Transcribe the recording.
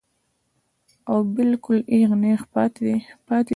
او بالکل اېغ نېغ پاتې شي -